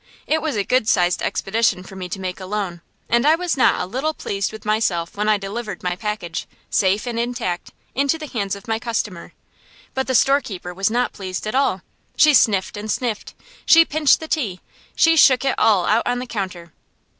It was a good sized expedition for me to make alone, and I was not a little pleased with myself when I delivered my package, safe and intact, into the hands of my customer. But the storekeeper was not pleased at all. She sniffed and sniffed, she pinched the tea, she shook it all out on the counter.